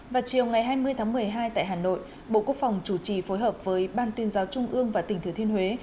vào chiều ngày hai mươi tháng một mươi hai tại hà nội bộ quốc phòng chủ trì phối hợp với ban tuyên giáo trung ương và tỉnh thừa thiên huế